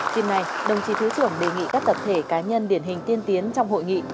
tiếp này đồng chí thứ trưởng đề nghị các tập thể cá nhân điển hình tiên tiến trong hội nghị